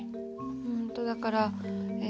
うんとだからえ